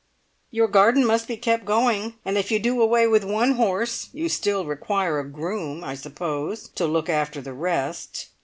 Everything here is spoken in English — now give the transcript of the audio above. Your garden must be kept going, and if you do away with one horse, you still require a groom, I suppose, to look after the rest.